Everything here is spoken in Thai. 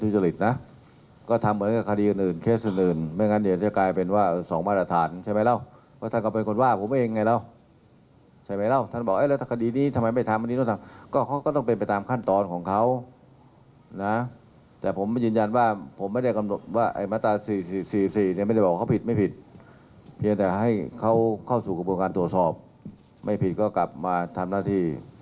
จะให้เขาเข้าสู่กระบวนการตรวจสอบไม่ผิดก็กลับมาทำหน้าที่